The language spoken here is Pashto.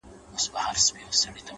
ښکارپورۍ زنه دې په ټوله انډيا کي نسته _